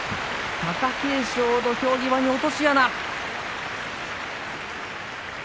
貴景勝、土俵際に落とし穴。